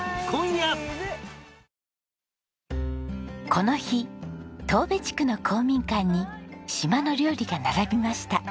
この日当部地区の公民館に島の料理が並びました。